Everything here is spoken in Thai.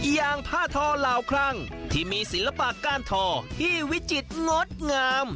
อย่างผ้าทอเหลาคลั่งที่มีศิลปะก้านทอที่วิจิตรงดงาม